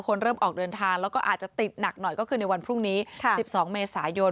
เริ่มออกเดินทางแล้วก็อาจจะติดหนักหน่อยก็คือในวันพรุ่งนี้๑๒เมษายน